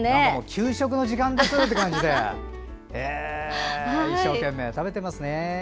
給食の時間ですって感じで一生懸命食べてますね。